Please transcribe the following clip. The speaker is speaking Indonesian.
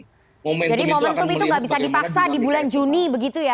jadi momentum itu nggak bisa dipaksa di bulan juni begitu ya